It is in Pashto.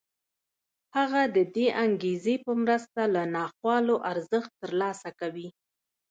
هغه د دې انګېزې په مرسته له ناخوالو ارزښت ترلاسه کوي